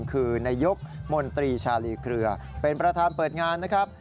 คือนายกมนตรีชาลีเครือเป็นประธานเปิดงานนะครับ